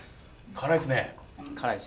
辛いです。